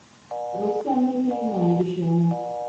Rossz emlékei máig is élnek.